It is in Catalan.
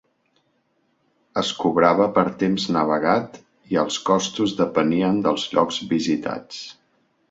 Es cobrava per temps navegat i els costos depenien dels llocs visitats.